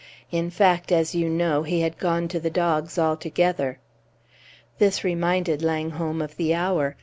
In fact, as you know, he had gone to the dogs altogether." This reminded Langholm of the hour.